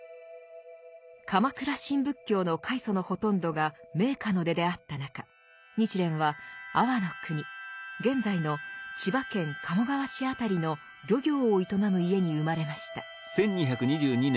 鎌倉新仏教の開祖のほとんどが名家の出であった中日蓮は安房国現在の千葉県鴨川市辺りの漁業を営む家に生まれました。